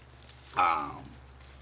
ああ。